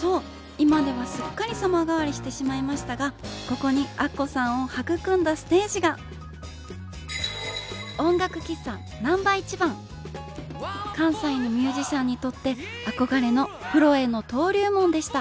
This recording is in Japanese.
そう今ではすっかり様変わりしてしまいましたがここにアッコさんを育んだステージが関西のミュージシャンにとって憧れのプロへの登竜門でした